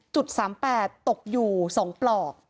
๓๘ตกอยู่๒ปลอก